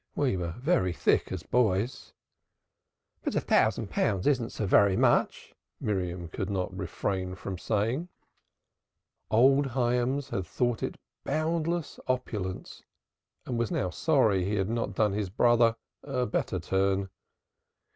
We were very thick as boys." "But a thousand pounds isn't so very much," Miriam could not refrain from saying. Old Hyams had thought it boundless opulence and was now sorry he had not done his brother a better turn.